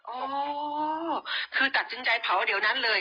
เออคือตรัสนึงใจเผาเตยอยู่นั้นเลย